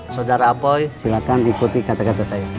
saudara apoi silahkan ikuti kata kata saya